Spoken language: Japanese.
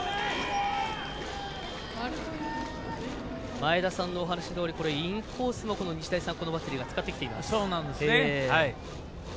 前田さんのお話どおりインコース日大三高のバッテリー使ってきています。